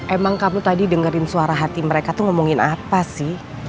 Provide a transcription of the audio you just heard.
emang kamu tadi dengerin suara hati mereka tuh ngomongin apa sih